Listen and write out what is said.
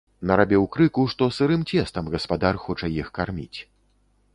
Нарабіў крыку, што сырым цестам гаспадар хоча іх карміць.